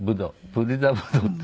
プリザブドって。